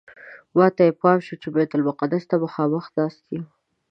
ماته یې پام شو چې بیت المقدس ته مخامخ ناست یم.